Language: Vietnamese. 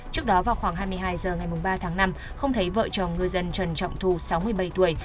trước đó vào khoảng hai mươi hai h ngày ba tháng năm không thấy vợ chồng ngư dân trần trọng thu sáu mươi bảy tuổi